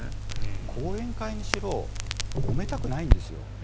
後援会にしろもめたくないんですよ。